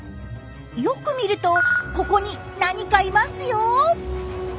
よく見るとここに何かいますよ。